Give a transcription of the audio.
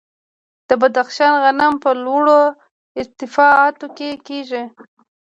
د بدخشان غنم په لوړو ارتفاعاتو کې کیږي.